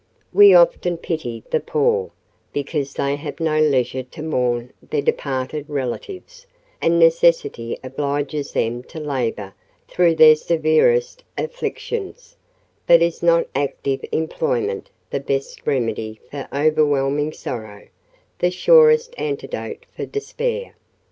We often pity the poor, because they have no leisure to mourn their departed relatives, and necessity obliges them to labour through their severest afflictions: but is not active employment the best remedy for overwhelming sorrow—the surest antidote for despair?